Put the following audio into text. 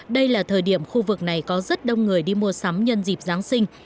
đây là thời điểm khu vực này có rất đông người đi mua sắm nhân dịp giáng sinh